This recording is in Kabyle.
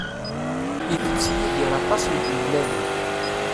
Itett Yidir aṭas n tmellalin.